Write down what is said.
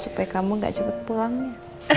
supaya kamu gak cepet pulangnya